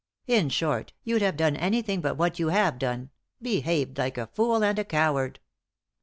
In short, you'd have done anything but what yon have done — behaved like a fool and a coward."